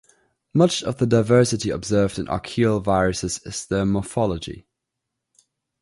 Much of the diversity observed in archaeal viruses is their morphology.